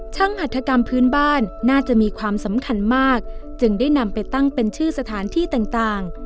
หัฐกรรมพื้นบ้านน่าจะมีความสำคัญมากจึงได้นำไปตั้งเป็นชื่อสถานที่ต่าง